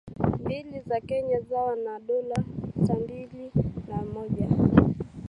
mbili za Kenya sawa na dola sabini na moja